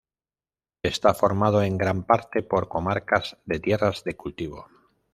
Está formado en gran parte por comarcas de tierras de cultivo.